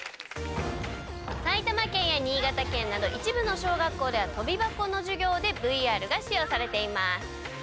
埼玉県や新潟県など一部の小学校では跳び箱の授業でＶＲが使用されてます。